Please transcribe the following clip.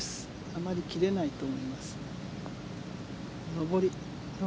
あまり切れないと思います。